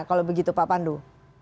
kalau begitu pak pandu